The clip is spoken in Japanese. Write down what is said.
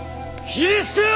斬り捨てよ！